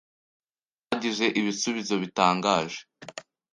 Twagize ibisubizo bitangaje.